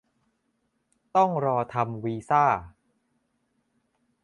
ต้องรอทำวีซ่า